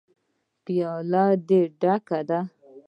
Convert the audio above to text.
_پياله دې ډکه ده.